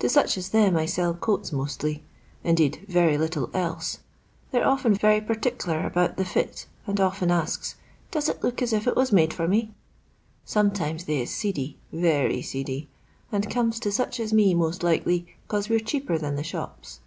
To such as them I sell coats mostly; indeed, yery little else. They *re often Tery perticler about the fit, and often asks, 'Does it look as if it was made for meV Some times they is seedy, very seedy, and comes to such as me, most likely, 'cause we're cheaper than the shops.